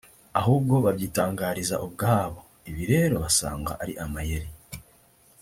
ahubwo babyitangariza ubwabo; ibi rero basanga ari amayeri